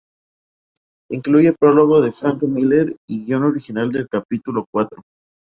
Incluye prólogo de Frank Miller y guión original del capítulo cuatro.